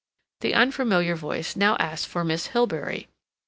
The unfamiliar voice now asked for Miss Hilbery.